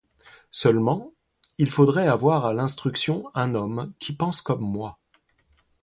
Seulement, il faudrait avoir à l'Instruction un homme qui pense comme moi.